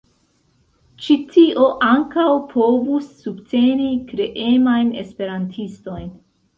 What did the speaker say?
Ĉi tio ankaŭ povus subteni kreemajn esperantistojn.